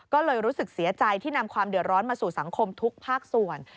ก็เลยรู้สึกเสียใจที่นำความเดือดร้อนมาสู่สังคมทุกภาคส่วน